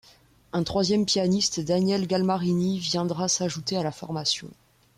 Un troisième pianiste, Daniel Galmarini, viendra s'ajouter à la formation.